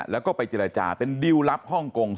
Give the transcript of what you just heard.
แล้วก็ไปเจรจาเป็นดิวลลับฮ่องกง